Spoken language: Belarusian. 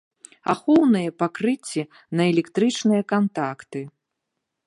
Ахоўныя пакрыцці на электрычныя кантакты.